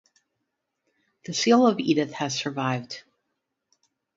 The seal of Edith has survived.